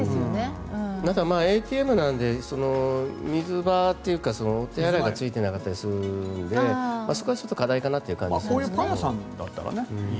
あとはＡＴＭなんで水場というかお手洗いがついていなかったりするので、そこは課題かなという感じはするんですけどね。